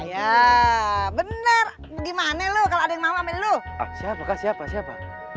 iya bener gimana lu kalau ada yang mau ame lu siapakah siapa siapa